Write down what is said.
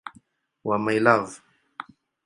wa "My Love".